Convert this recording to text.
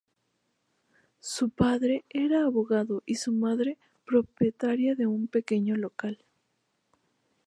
Su padre era abogado y su madre propietaria de un pequeño local.